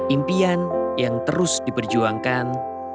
impian yang terus diperjuangkan